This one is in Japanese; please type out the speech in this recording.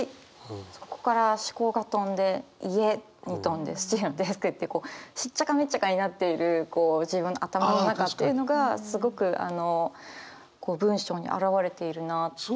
そこから思考が飛んで家に飛んでスチールのデスク行ってこうしっちゃかめっちゃかになっているこう自分の頭の中っていうのがすごくあの文章に表われているなって。